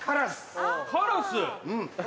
カラス？